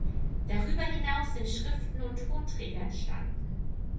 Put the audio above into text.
Darüber hinaus sind Schriften und Tonträger entstanden.